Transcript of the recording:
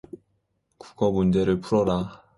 국어문제를 풀어라.